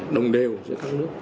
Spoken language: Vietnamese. đồng đều giữa các nước